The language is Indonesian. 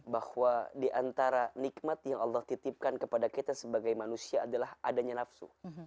bahwa diantara nikmat yang allah titipkan kepada kita sebagai manusia adalah adanya nafsu